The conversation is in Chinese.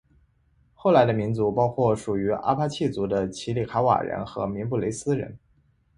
后来的民族包括属于阿帕契族的奇里卡瓦人和明布雷斯人。